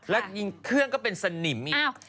และเครื่องก็เป็นสนิมอีก